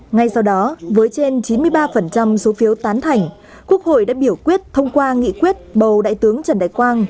ngay sau đó với trên chín mươi ba số phiếu tán thành quốc hội đã biểu quyết thông qua nghị quyết bầu đại tướng trần đại quang